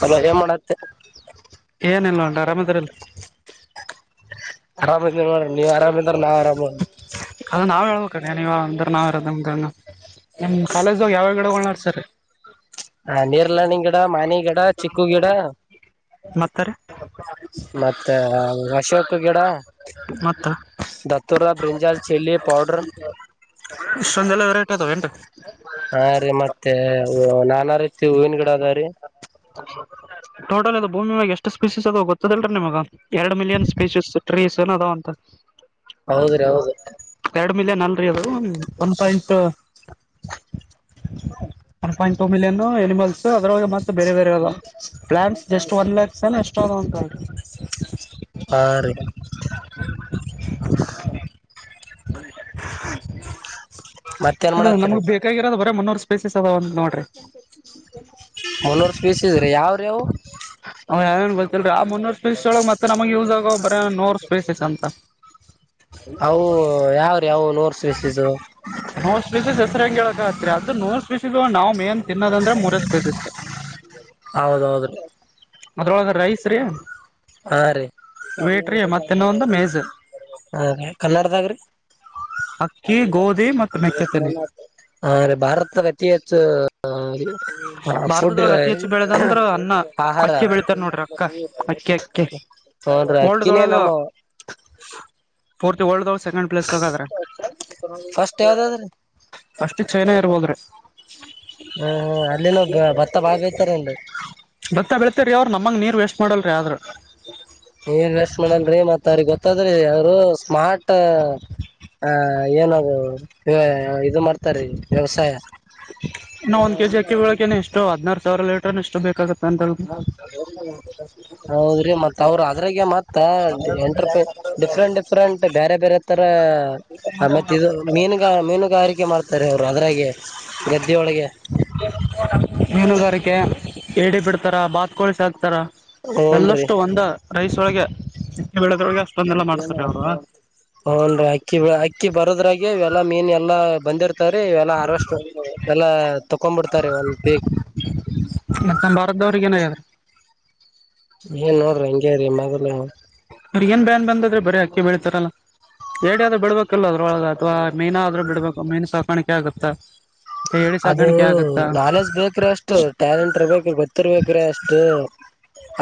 Hello ಏನ್ ಮಾಡತ್ತೆ ಲ್ಲ ಆರಾಮದರಿಲ್ಲ [inaudible] ನೀವ್ ಆರಾಮಿದ್ರ ನಾವ್ ಆರಾಮ್ ಅದ ನಾವ್ ಹೇಳ್ಬೇಕ ನೀವ ಅಂದರ ನಾವ [unintelligible] ನಮ್ ಕಾಲೇಜ್ದಾಗ ಯಾವಾಗ ಗೋಳ್ ನಡಿಸಿರಿ ಹಾ ನೀರ್ಲ್ಹಣ್ಣಿನ ಗಿಡ ಮಾನಿ ಗಿಡ ಚಿಕ್ಕು ಗಿಡ ಮತ್ತ ರೀ ಮತ್ತೆ ಅಶೋಕ್ ಗಿಡ ಮತ್ತ ದತ್ತೂರ ಬ್ರಂಜಾಲ್ ಚಿಲ್ಲಿ ಪೌಡರ್ ಇಷ್ಟೊಂದೆಲ್ಲ ವೆರೈಟಿ ಅದಾವ ಏನ್ರಿ ಹಾ ರೀ ಮತ್ ತ್ತೇ ನಾನ ರೀ ಹೂವಿನ ಗಿಡ ಅದಾವ್ರೀ ಟೋಟಲ್ ಅದು ಭೂಮಿ ಮಾಗ ಎಷ್ಟು ಸ್ಪೀಸೀಸ್ ಅದ ಗೊತ್ತದಲ್ರೀ ನಿಮಗ ಎರಡ್ ಮಿಲಿಯನ್ ಸ್ಪೀಸೀಸ್ ಟ್ರೀಸ್ ಏನ ಅದಾವ ಅಂತ ಹೌದ್ರೀ ಹೌದು ಎರಡ್ ಮಿಲಿಯನ್ ಅಲ್ರಿ ಅದು one point one point two million animals ಅದ್ರೊಳಗೆ ಮತ್ತೆ ಬೇರೆ ಬೇರೆ ಅದ ಪ್ಲಾನ್ಟ್ಸ ಜಸ್ಟ್ ಒನ್ ಲ್ಯಾಕ್ಸ್ ಎಷ್ಟ ಅದ ಅಂತ ಅವು ಹಾ ರೀ [inaudible] [unintelligible] ಮತ್ತೇನ್ ಇದು ಮಾಡತ್ತರಿ ನಮಗ್ ಬೇಕಾಗಿರೋದ ಬ ಮುನ್ನೂರ್ ಸ್ಪೇಸಸ್ ಅದಾವಂತ ನೋಡ್ರಿ ಮೂಲೂರ್ ಸ್ಫೇಸ್ ಇದ್ರಿ ಯಾವ ಅವು [unintelligible] ಳ ಮತ್ತ ನಮಗೆ ಯೂಸ್ ಆಗ ಗೊಬ್ಬರ ನೋರ್ ಸ್ಪೇಸಸ್ ಅಂತ ಅವು ಯಾವ್ರೀ ಅವು ನೋರ್ಸಿಸಿದು ದಸರಾಗೆ ಹೇಳಕತ್ರಿ ಅದು ನೋ [unintelligible] ತಿನ್ನದಂದ್ರೆ ಮೂರಷ್ಟು ಕಸತರ್ ಹೌದೌದ್ರೀ ಆದ್ರೊಳಗ ರೈಸ್ ರೀ ಹಾ ರೀ ಸ ಮತ್ತೆ ಇನ್ನೊಂದು ಮೇಜು ಹಾಗೆ ಕನ್ನಡದಾಗ್ರಿ ಅಕ್ಕಿ ಗೋಧಿ ಮತ್ತು ಮೆಕ್ಕೆತ್ತನೆೆ ಹಾ ರಿ ಭಾರತದಾಗ ಅತಿ ಹೆಚ್ಚು ಫುಡ್ ಭಾರತದೊಳಗೆ ಅತಿ ಹೆಚ್ಚು ಬೆಳೆದಂದ್ರ ಅನ್ನ ಆಹಾರ ಅಕ್ಕಿ ಬೆಳಿತಾರ್ ನೋಡ್ರಿ ಅಕ್ಕ ಅಕ್ಕೆ ಅಕ್ಕೆ ಹನ್ ರಿ ಅಕ್ಕಿನೇ ನಮ್ಮ ಪೂರ್ತಿ ವರ್ಲ್ಡಾಗ ಸೆಕೆಂಡ್ ಪ್ಲೇಸ್ ದಾಗ ಆದ್ರ ರಿ ಫಸ್ಟ್ ಯಾವ್ದಾದ್ರಿ ಅಷ್ಟು ಚೈನ ಇರ್ಬೋದ್ರಿ ಹ್ಮ ಹ ಅಲ್ಲಿನೋ ಭತ್ತ ಬಾಳ ಬೆಳೀತಾರ ಏನ್ರಿ ಮಾಡಲ್ರ ಆದ್ರ ನೀರ ವಸ್ಟ್ ಮಾಡಲ್ರರಿ ಮತ್ತ ಅವ್ರಿಗೆ ಗೊತ್ತಾದ್ರಿ ಅವರು ಸ್ಮಾರ್ಟ್ ಆಹ ಏನದು ಇ ಮಾಡ್ತಾರೀ ವ್ಯವಸಾಯ ನಾ ಒಂದ್ ಕೆಜಿ ಅಕ್ಕಿ ಬೆಳಕೆ ಎಷ್ಟು ಹದಿನಾರು ಸಾವಿರ ಲೀಟರ್ ಎಷ್ಟು ಬೇಕಾಗುತ್ತೆ ಹೌದ್ರಿ ಮತ್ತ ಅವ್ರ ಅದ್ರಾಗ ಮತ್ತ ಎಂಟರ್ಪ ಡಿಫ್ರೆಂಟ್ ಡಿಫ್ರೆಂಟ್ ಬೇರೆ ಬೇರೆ ತರ ಆ ಮತ್ತೆ ಇದು ಮೀನುಗ ಮೀನುಗಾರಿಕೆ ಮಾಡ್ತಾರೆ ಅವರು ಅದ್ರಾಗೆ ಗದ್ದೆೊಳಗೆ ಮೀನುಗಾರಿಕೆ ಏಡಿ ಬಿಡ್ತಾರ ಬಾತ್ಕೋಳ ಸಾಕ್ತಾರ ಹೂನ್ರಿ ಎಲ್ಲಷ್ಟು ಒಂದ ರೈಸ್ ಒಳಗೆ ಬೆಳೆದ್ರೊಳಗೆ ಅಷ್ಟೊಂದಲ್ಲ ಮಾಡ್ತಾರೆ ಅವ್ರು ಅ ಅಕ್ಕಿ ಬರೋದ್ರಾಗ ಇವೆಲ್ಲಾ ಮೀನ್ ಎಲ್ಲಾ ಬಂದಿರ್ತ ೀ ಇವೆಲ್ಲ ಅರಷ್ಟು ಎಲ್ಲಾ ತಕೊಂಡ್ಬಿಡ್ತಾರ ಒಂದ್ ಪೀಕ್ ಮತ್ತ ನಮ್ಮ ಭಾರತದವ್ರಿಗೆ ಏನಾಗ್ಯದ್ರಿ ಏನ್ ನೋಡ್ರಿ ಹಂಗೆ ರೀ ಮದವು ಅ ಏನ್ ಬ್ಯಾನ್ ಬಂದಾದ್ರೆ ಬರೀ ಅಕ್ಕಿ ಬೆಳಿತಾರಲ್ಲ ಎಏಡ ಆದ್ರರು ಬಿಡ್ಬೇಕಲ್ ಅದ್ರೊಳಗ ಅಥವಾ ಮೀನ್ನ ಆದ್ರೂ ಬಿಡ್ಬೇಕು ಮೀನ್ ಸಾಕಾಣಿಕೆ ಆಗತ್ತ ಅದು ನಾಲೆಜ್ ಬೇಕ್ರಿ ಅಷ್ಟು ಟ್ಯಾಲೆಂಟ್ ಇರ್ಬೇಕ್ರಿ ಗೋತ್ತಿರ್ಬೇಕ್ರಿ ಅಷ್ಟು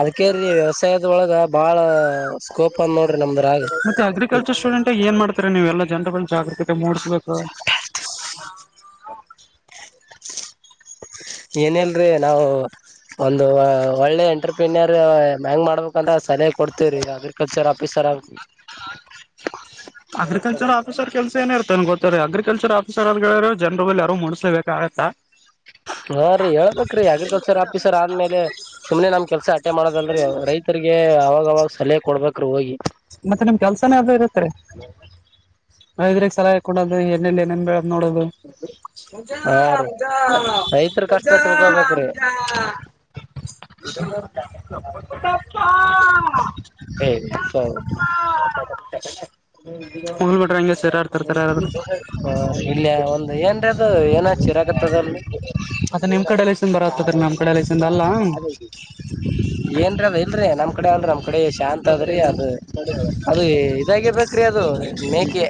ಅದಕೇ ವ್ಯವಸಾಯದೊಳಗ ಭಾಳ ಮತ್ತೆ ಅಗ್ರಿಕಲ್ಚರ್ ಸ್ಟೂಡೆಂಟ್ಗ ಏನ್ ಮಾಡ್ತಾರೆ ನೀವೆ ಎಲ್ಲಾ ಜನರುಗಳು ಜಾಗೃಕತೆ ಮೂಡಿಸ್ಬೇಕ [inaudible] ಏನಲ್ರಿ ನಾವು ಒಂದು ಒಳ್ಳೆ ಎಂಟರ್ಪ್ರಿನಿಯರ್ ಮ್ಯಾಂಗ್ ಮಾಡ್ಬೇಕಂತ್ರ ಸಲಹ ಕೊಡ್ತೇ ರರಿ ಅಗ್ರಿಕಲ್ಚರ್ [inaudible] ಪ ಶರಾ ಅಗ್ರಿಕಲ್ಚರ್ ಆಫೀಸರ್ ಕೆಲ್ಸ ಏನ ಇರ್ತನ್ ಗೊತ್ತಾರೆ ಅಗ್ರಿಕಲ್ಚರ್ ಆಫೀಸರ್ ಅ ಹೇಳ್ರೆ ಜನರು ಯಾರು ಮು್ಲೇಬೇಕಾಗತ್ತಾ ಹಾ ರೀ ಹೇಳ್ಬೇಕ್ರೀ ಅಗ್ರಿಕಲ್ಚರ್ ಆಫೀಸರ್ ಆದ್ಮೇಲೆ ಸುಮ್ನೆ ನಮ ಕೆಲ್ಸ ಹಟೆ ಮಾಡೋದಲ್ರರಿ ರೈತರಿಗೆ ಅವಾಗ ಾಗ ಸಲಹೆ ಕೊಡ್ಬೇಕರು ಹೋಗಿ ಮತ್ತೆ ನಿಮ್ ಕೆಲ್ಸನ ಅ ಇರುತ್ತೆ್ರಗ್ ಸಲಹ ಕೊಡೋದು ಏನಲ್ಲಿ ಏನೇನ್ ಬದ ನೋಡದು ಮಜಾ ಹಾ ರೀ ಮದ ರೈತರ ಮಜಾ ಕಷ್ಟ ತಿಳ್ಕೋಬೇಕ್ರಿ ಮ ಹ ಏ ಹೋಗಲ್ ಬಿಟ್ರಂಗಗೆ ಸರ್ ಬಾರಿ ಇಲ್ಲ ಒಂದ್ ಏನ್ರಿ ಅದು ಏನ ಚಿರಾಕತ್ತದಲ್ ಅದ ನಿಮ್ ಕಡ ಇಂಬರತನ್ನ ಏನ್ರ ಅದ ಇಲ್ರಿ ನಮ್ ಕಡೆ ಅಲ್ರಿ ನಮ್ ಕಡೆ ಶಾಂತ ಅದ್ರೀ ಅದು ಕಡೆ ಅದು ಇದಾಗಿಬೇಕ್ರೀ ಅದು ಮೇಕೆ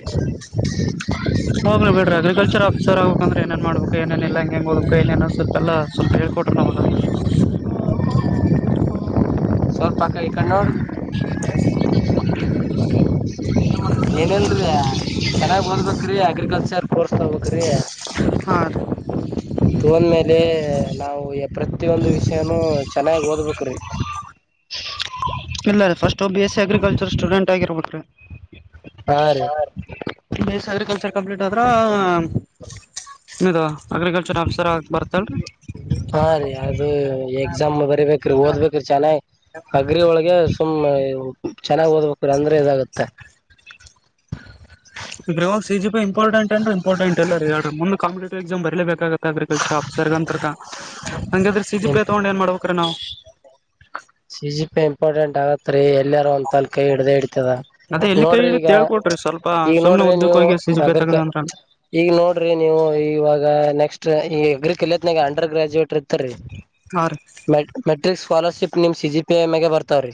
ಆಚರ್ ಆಫೀಸರ್ ಆ್ಬೇಕಂದ್ರೆ ಏನೇನು ಮಾಡ್ಬೇಕು ಏನೇನಿಲ್ಲ ಹಂಗೆ ಓದಬೇಕು ಏನೇನೋ ಸ್ವಲ್ಪ ಎಲ್ಲ ಸ್ವಲ್ಪ ಹೇಳ್ಕೊಟ್್ರೆ ನಮಗೆ ಸ್ವಲ್ಪ ಕೈ ಕನ್ನ್ಣೂಡ್ ಏನಲ್ರಿ ಚೆನ್ನಾಗಿ್ ಓದಬೇಕ್ರಿ ಅಗ್ರಿಕಲ್ಚರ್ ಕೋರ್ಸ್ ತ ಹಕ್ರೆ ಹ ತೋಂದ್ಮೇಲೆ ನಾವು ಪ್ರತಿಯೊಂದು ವಿಷಯನುೂ ಚೆನ್ನಾಗಿ ಓದ್ಬೇಕ್ರಿ ಇಲ್ಲ ಇ ಫಸ್ಟ್ ಓ B S C agriculture student ಆಗಿರ್ಬಿ್ರೆ ಹಾ ರೀ ಬೇಸ್ ಅಗ್ರಿಕಲ್ಚರ್ ಕಂಪ್ಲೀಟ್ ಆದ್ರ ನಿ ಅಗ್ರಿಕಲ್ಚರ್ ಆಫೀಸರ್ ಆ ಬರ್ತಲ್ರಿ ಹಾ ರೀ ಅದು ಎಕ್ಸಾಮ್ ಬರಿಬೇಕ್ರಿ ಓದ್ಬೇಕ್ರಿ ಚೆನ್ನಾಗಿ ಅಗ್ರಿ ಒಳಗೆ ಸುಮ್ನೆ ಚೆನ್ನಾಗ್ ಓದ್ಬೇಕ್ರ ಅಂದ್ರೆ ಇದಾಗತ್ತೆ ಇ್ರವಾಗ ಸಿಜಿ ಪ ಇಂಪಾರ್ಟೆಂ ಅಂದ್ರ ಇಂಪಾರ್ಟೆಟ್ ಎಲ್ಲ ಯಾರಂದ ಕಂಪಟಿವ್ ಎಸಾಮ್ ಬರಲೇಬೇಕೆ ಅಗ್ರಿಕಲ್ಚರ್ ಆಫೀಸರ್ ಅಂತರ್ಕ ಹಂಗಾದ್ರೆ ಸಿಜಿ ನಿಮ್ ಪಿ ತೊೊಂಡ ಏನ್ ಮಾಡ್ಬೇಕ್ರ ನಾವವು [unintelligible] ಸಿ ಜಿ ಪ ಇಂಪಾರ್ಟೆಂಟ್ ಆಗತ್ರಿ ಇಲ್ಲಯಾರೋ ಒಂದ ತಲ್ ಕೈ ಹಿಡ್ದ ಇಡ್ತದ ಅದೇ ಎಲ್ಲಿ ಕೈ ನೋಡ್ರಿ ಈಗ ಹಿಡಿತ್ ಹೇಳ್ಕೊಡ್ರಿ ಸ್ವಲ್ಪ ಈಗ ಸುಮ್ನೆ ನೋಡ್ರಿ ಉದ್ದಕ್ ನೀವು ಹೋಗಿ ಸಿ ಜಿ ಪಿ ಯಾಕ ತಗದ್ವಿ ಅಂದ್ರ ಈಗ ನೋಡ್ರಿ ನೀವು ಈವಾಗ ನೆಕ್ಸ್ಟ್ ಈ ಎಗ್ರಿ ಕಲತ್ನಗೆ ಅಂಡರ್ ಗ್ರಾಜುಯೇಟ್ ಇರ್ತ ರೀ ಹ ಸ್ಕಾಲರ್ಶಿಪ್ ನಿಮ್ ಸಿ ಜಿ ಪಿ ಎ ಮಾಗ ಬರ್ತಾವ್ರಿ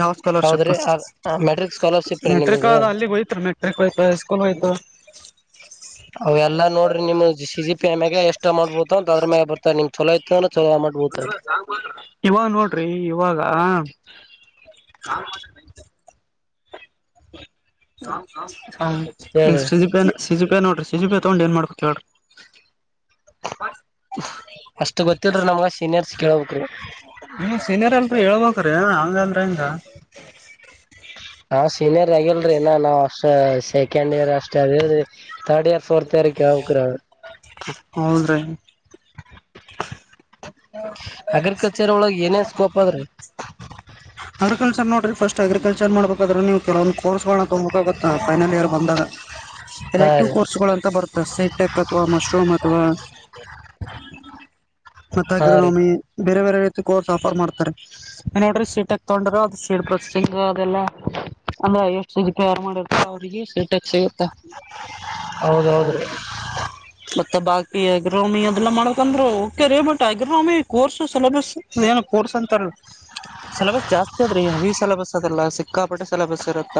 ಯಾವ್ ಸ್ಕಾಲರ್ಶಿಪ್ ಹೌದ್ರಿ ಮೆಟ್ರಿಕ್ ಸ್ಕಾಲರ್ಶಿಪ್ ರೀ ಮೆಟ್ರಿಕ್ ನಿಮ್ದ ಅಲ್ಲಿಗೆ ಹೋಯ್ತ ಮೆಟ್ರಿಕ್ ಹೋಯ್ತು ಸ್ಕೂಲ್ ಹೋಯ್ತು ಅವೆಲ್ಲಾ ನೋಡ್ರಿಮ ಸಿ ಸಿ ಪಿ ಮ್ಯಾಗ ಎಷ್ಟ ಅಮೌಂಟ್ ಬೋು ಅದ್ರ ಮ್ಯಾಗ ಬರ್ತಾರೆ ನಿಮ್ ಚಲೋ ಚ [unintelligible] [inaudible] ಇವಾಗ ನೋಡ್ರಿ ಇವಾಗ ಹ [inaudible] ಹ. [inaudible] ಹ ಈ ಹೇಳ್ರಿ ಸ್ಟಿಜಿ ಪ್ಯಾನ್ ಸಿಜಿ ಪ್ಯಾನ್ [unintelligible] ಇಜು ಬ ತ ತಗೊಂಡ್ ಏನ್ ಮಾಡ್ಬೇಕು ಹೇಳ್ರಿ ಅಷ್ಟು ಗೊತ್ತಲ್ರಿ ನಮಗ ಸೀನಿಯರ್ಸ್ ಕೇೇಳಬೇಕ ರಿ ಹೇಳ್ಬೇಕ್ರೀಏ ಹಂಗ ಅಂದ್ರ ಹಂಗ ಹಾ ಸೀನಿಯರ್ ಆಗಲ್ರಿಏ ನಾವ್ ಅಷ್ಟ ಸೆಕೆಂಡ್ ಇಯರ್ ಅಷ್ಟ [inaudible] ತರ್ಡ್ ಇಯರ್ ಫೋರ್ತ್ ಇಯರ್ಕ್ಕೆ [unintelligible] [inaudible] ಏನೇನ್ ಸ್ಕೋಪ್ ಅದ್ರಿ ಅವ್ರಕ ಸರ್ ನೋಡ್ರಿ ಫಸ್ಟ್ ಅಗ್ರಿಕಲ್ಚರ್ ಮಾಡ್ಬೇಕಾದ್ರೆ ನೀವು ಕೆಲೊ ಕೋಸ್ಗಳ ತೊ್ಬೇಕಾಗುತ್ತೆ ಫೈನಲ್ ಇಯರ್ ಬಂದಾಗ ಹಾ ಎಲೆಕ್ಟಿವ್ ರೀ ಕೋರ್ಸ್ಗಳು ಅಂತ ಬರುತ್ತೆ ಸಿಟೆಕ್ ಅಥವಾ ಮಶ್ರೂಮ್ ಅಥವಾ ರ ಹಾ ರೀ [unintelligible] ಬೇರೆ ಬೇರೆ ರೀತಿ ಕೋರ್ಸ್ ಆಫರ್ ಮಾಡ್ತಾರೆ ಏ ನೋಡ್ರಿ ಸೀಟ್ ತಗೊಂಡರ ಅದು ಸೀಟ್ ಬಸಿಂಗ್ ಅದೆಲ್ಲ ಅಂದ್ರೆ ಎಷ್ಟು ಸ ಪ ಯಾರು ಮಾಡಿರ್ತಾರೆ ಅವ್ರರಿಗೆ ಸಿಗುತ್ತ ಹೌದೌದ್ರಿ ಮತ್ತ ಮತ್ತ ಬಾಕಿ ಅಗ್ರೋಮಿ ಅದೆಲ್ಲಾ ಮಾಡ್ಕಂದ್ರು ರೇ ಬಟ್ ಅಗ್ರಾಮಿ ಕೋರ್ಸ್ ಸಿಲೆಬಸ್ ಏನು ಕೋರ್ಸ್ ಅಂತ ಸಿಲೆಬಸ್ ಜಾಸ್ತಿ ಅದ್ರೀ ಹವಿ ಸಿಲೆಬಸ್ ಅದಲ್ಲ ಸಿಕ್ಕಾಪಟ್ಟೆ ಸಿಲೆಬಸ್ ಇರತ್ತ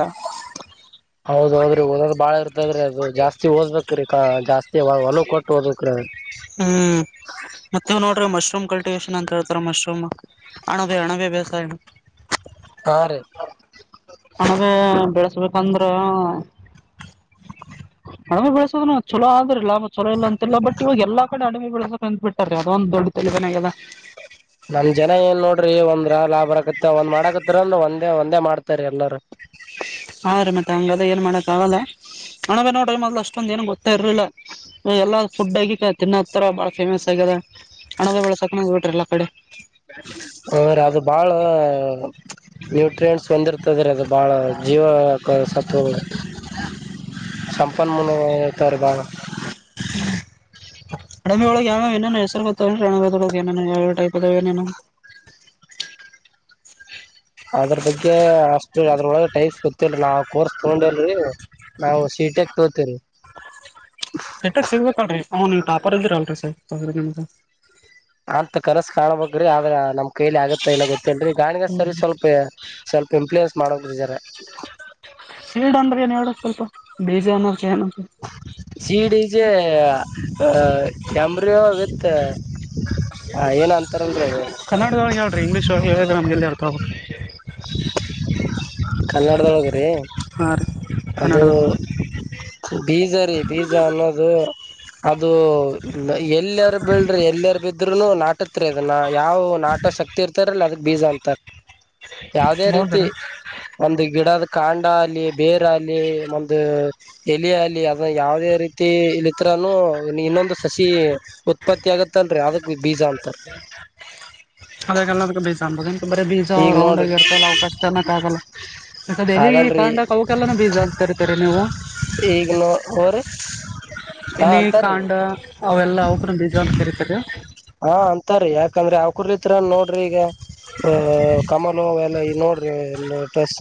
ಹೌದೌದ್ರಿ ಒದೋದ್ ಬಾಳ ಇರ್ತದ್ರೆ ಅದು ಜಾಸ್ತಿ ಓದ್ಬೇಕ್ರೀ ಜಾಸ್ತಿ ಒಲ ಕೊಟ್ಟು ಓದ್ಬೇಕ್ರಿ ಅದ ನೀವು ನೋಡ್ರಿ ಮಶ್ರೂಮ್ ಕಲ್ಟಿವೇಶನ್ ಅಂತ ಹೇಳ್ತಾರೆ ಮಶ್ರೂಮ್ ಹಣ ಬ ಹಣ ಬ ಬೇಸಾಯಣ ಹಾ ರೀ ಹಣಬೆ ಬೆಲೆ [inaudible] ಪಂದ್ರ ಅಡಮೆ ಬೆಳಸೋದ್ರ ಚಲೋ ಆದ್ರ ಇಲ್ಲ ಚಲ ಇಲ್ಲ ಅಂತಿಲ್ಲ ಬಟ್ ಇವಾಗ ಎಲ್ಲ ಕಡೆ ಅಮೆ ಬೆಳಸಕ ಅಂದ್ಬಟ್ಟು ಅದೊಂದು ದೊಡ್ಡ ತ ಬಾಗಲ್ಲ ನಮ್ ಜನ ಏನ್ ನೋಡ್ರಿ ಒಂದ್ರ ಲಾಭ ಬರಕತ್ತ ಒಂದ್ ಮಾಡಕತ್ತ ಒಂದ ಒಂದೇ ಒಂದು ಮಾಡ್ತಾರೆ [inaudible] ಹಾ ರ ಮತ್ತೆ ಹಂಗಲ್ಲ ಏನ್ ಮಾಡಕ್ ಆಗಲ್ಲ ಅಣವೆ ನೋಡ ಮದ್ಲು ಅಷ್ಟೊಂದ ಏನು ಗೊತ್ತಾ ಇರ್ಲಿಲ್ಲ ಎಲ್ಲ ಫುಡ್ ಆಗ ತಿನ್ನತ್ತರ ಬಾಳ ಫೇಮಸ್ ಆಗ್ಯದ ಅಣವೆ ಬೆಳಸಕ ಬಿಟ್ರಿಲ್ಲ ಆ ಕಡೆ ಹ ರೀ ಅದು ಬಾಳ ನ್ಯೂಟ್ರಿಯನ್ಟ್ಸ್ ಒಂದಿರ್ತದ್ರೀ ಅದು ಬಾಳ ಜೀವ ಸತ್ ಸಂಪನ್ಮೂಲ ಇತಾರೆ ಬಾಳ [unintelligible] ತೊ ಟೈಪಏನ ಅದ್ರ ಬಗ್ಗೆ ಅಷ್ಟು ಅದ್ರೊಳಗೆ ಟೈಪ್ಸ್ ಗೊತ್ತಲ್ರಿ ನಾವವು ಕೋರ್ಸ್ ತಗೊಂಡಲ್ರರಿ ನಾವವು ಸೀಟಗ್ ತಗತೇವ್ರರಿ ಸೆಟ್ಗೆ ಸಿಗ್ಬೇಕಲ್ರರಿ ಅವ್ನ್ ಟಾಪರ್ ಇದ್ರರಿ ಅಲ್ರಿ ಸರ್ ಅಂತ ಕನಸ್ ಕಾಣಬೇಕ್ರಿ ಆದ್ರ ನಮ್ ಕೈಲಿ ಆಗತ್ತ ಇಲ್ಲ ಗೊತ್ತೇರಿ ಈ ಗಾಣಗ ಹ್ಮ್ ಸರಿ ಸ್ವಲ್ಪ ಸ್ವಲ್ಪ ಇಂಪ್ಲೂಯನ್ಸ ಮಾಡಿದಾರ ಸೀಡ್ ಅಂದ್ರೆ ಏನ್ ಹೇಳ ಸ್ವಲ್ಪ ಬೀಜ ಅನ್ನದಕ್ಕೆ ಏನು ಸಿಡಿಜೆ ಅ ಚಂಬ್ರೋ ವಿತ್ ಏನ ಅಂತಾರಲ್ರಿ ಅದು ಕನ್ನಡದೊಳಗೆ ಹೇಳ್ರಿ [unintelligible] [inaudible] [inaudible] ಕನ್ನಡದಲ್ಲಿ ಆದ್ರಿ ಹಾ ರೀ ಅದು ಕನ್ನಡದವ ಬೀಜ ಬೀಜ ಅನ್ನೋದು ಅದು ಎಲ್ಲಾರ ಬಿಳ್ರಿ ಎಲ್ಲಾರ್ ಬಿದ್ರುನು ನಾಟತ್ ಅದ ಯಾವ್ ನಾಟೋ ಶಕ್ತಿ ಇರ್ತಾರಲ್ಲ ಅದಕ್ ಬೀಜ ಅಂತ ಯಾವದೇ ಹೌದ್ರ ರೀತಿ ಒಂದು ಗಿಡದ ಕಾಂಡ ಅಲ್ಲಿ ಬೇರೆ ಅಲ್ಲಿ ಒಂದು ಎಲಿಯ ಅಲ್ಲಿ ಅದ ಯಾವದೇ ರೀತಿ ಇಲಿತ್ರಾನು ಇನ್ನೊಂದು ಸಸಿ ಉತ್ಪತ್ತಿ ಆಗುತ್ತಲ್ರರಿ ಅದು ಬೀಜ ಅಂತ ಅದ ಬೀಜ ಅನ್ಬಹುದು ಬರ ಬೀಜ ಈಗ ರೌಂಡ್ ನೋಡ್ರಿ ಆಗಿರ್ತಲ್ಲ ಅವಕಾಶ ಜನಕ್ ಆಗಲ್ಲ ಎಲೀ ಆಗಲ್ರಿ ಕಾಂಡ ಅವಕ್ಕ ಬೀಜ ಅಂತ ಕರಿತೀರಿ ನೀವು ಈಗ [unintelligible] ಇಲ್ಲಿ ಅಂತಾರೀ ಕಾಂಡ ಅವೆಲ್ಲ ಅವಕ್ರ ಬೀಜ ಅಂತ ಕರೀತಾರೆ ರಿ ಹಾ ಅಂತಾರೀ ಯಾಕಂದ್ರೆ ಅವ್ ಕೂಡಲಿತ್ರರ ನೋಡ್ರಿ ಈಗ ಅ ಕಮಲು ಅವೆಲ್ಲ ಈ ನೋಡ್ರಿ ಲೊಟಸ್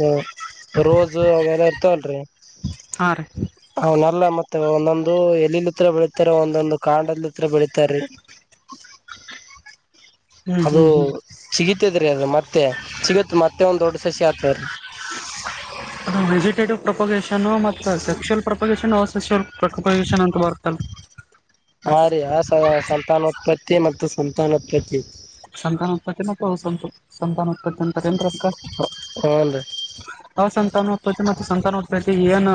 ರೋಜ ಅವೆಲ್ಲಾ ಇರ್ತವಲ್ರರಿ ಹಾ ರೀ ಅವನಲ್ಲ ಮತ್ತೆ ಒಂದೊಂದು ಎಲಿಲ್ ಹತ್ರ ಬೆಳಿತಾರ ಒಂದೊಂದು ಕಾಡಲ್ ಹತ್ರ ಬೆಳಿತಾರೀ [unintelligible] ಹ್ಮ್ ಹ್ಮ್ ಹ್ಮ್ [unintelligible] ಮತ್ತೆ ಸಿಗತ್ ಮತ್ತೆ ಒಂದ್ ದೊಡ್ಡ ಸಸಿ ಹತರ [unintelligible] ಸೆಕ್ಷುಲ್ [unintelligible] ಹಾ ರೀ ಆ ಸ ಸಂತಾನೋತ್ಪತ್ತಿ ಮತ್ತು ಸಂತೋನಾಥ್ಪತ್ತಿ ಸಂತಾನೋತ್ಪತ್ತಿ [unintelligible] [unintelligible] ಹನ್ ಏನು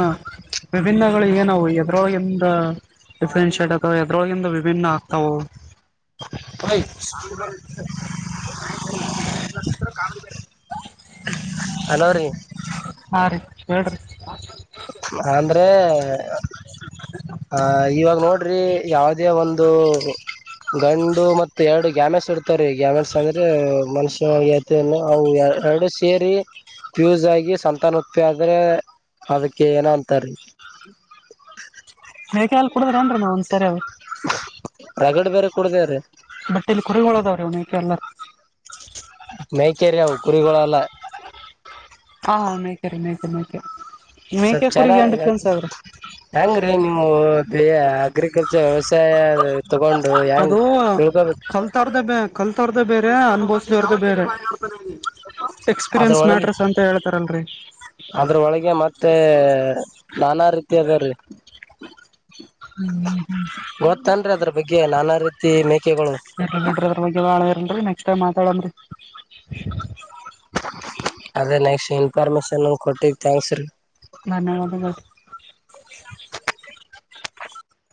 ವಿಭಿನ್ನಗಳು ಏನವು ಎದ್ರೊಳಗಿಂದ ಡಿಫ್ರನ್ಶಿಯೇಟ್ ಆಗ್ತ ಎದ್ರೊಳಗ ವಿಭಿನ್ನ ಆಗ್ತಾವ ಹ [unintelligible] [inaudible] ಹ [inaudible] ಹಲೋ ರೀ ಹ ರರಿ ಹೇಳ ರಿ ಹಾ [inaudible] ಅಂದ್ರೆ ಆ ಇವಾಗ ನೋಡ್ರಿ ಯಾವದೇ ಒಂದು ಗಂಡು ಮ ಎರಡು ಗ್ಯಾಮೆಸ್ ಇಡ್ತ್ರೀ ಗ್ಯಾಮೆಲ್ಸ್ ಅಂದ್ರೆ ಮನುಷ್ಯನತ ಅವು ಎ ಎರಡು ಸೇರಿ ಫ್ಯೂಸ್ ಆಗಿ ಸಂತಾನ ಉತ್ಪಿ ಆದ್ರೆ ಅದಕ್ಕೆ ಏನ ಅಂತಾರೆ ಬೇಕಾಲ ಕುಡ್ರೇನ್ ನವು ಒಂದ ಸರಿ ಅವ್ ರಗಡಿ ಬೇರೆ ಕುೂಡ್ದೇವ್ರೀ ಚಲ ಹ ಮೈಕೇರಿ ನಾವು ಕುರಿಗಳಲ್ಲ ಹ ರಿ ಮೇಕೆ ಮೇಕೆ ಸ್ವಲ್ ಮೇಕೆ ಕುರಿಗೆ ಏನ್ ಚೆನ್ನಾಗಿ ಡಿಫ್ರೆನ್ಸ್ ಅವ್ರಿ ಹಂಗ್ರೀ ನೀವು ಬೇ ಕ್ರಿಕೆಟ್ ತಿಳ್ಕೋಬೇಕು [unintelligible] ಸೇವರ್ಗ ಬೇರೆ [inaudible] ಅದ್ರೊಳಗೆ ಮ್ಯಾಟ್ರಸ್ ಅಂತ ಹೇಳ್ತಾರಲ್ರರಿ ಅದ್ರೊಳಗೆ ಮತ್ತೆ ನಾನಾ ರೀತಿ ಅದ ರೀ ಹ್ಮ ಅದ್ರ ಬಗ್ಗೆ ನಾನಾ ರೀತಿ ಮೇಕೆಗಳು [inaudible] ಹಗ್ ನ್ರಿ ನೆಕ್ಸ್ಟ್ ಟೈಮ್ ಮಾತಾಡನ್ ರೀ ಅದೇ ನೆಕ್ಸ್ಟ್ ಇನ್ಫಾರ್ಮೇಶನ್ ಕೊಟ್ಟಿದ ಥ್ಯಾಂಕ್ಸ್ ರೀ ಧನ್ಯವಾದಗಳು